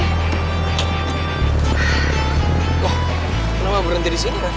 loh kenapa berhenti di sini kan